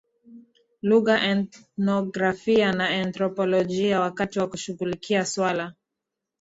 lugha ethnografia na anthropolojia Wakati wa kushughulikia suala